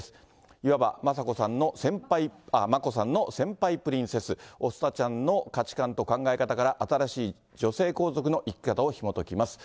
いわば眞子さんの先輩プリンセス、おスタちゃんの価値観と考え方から、新しい女性皇族の生き方をひもときます。